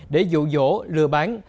để dụ dỗ lừa bán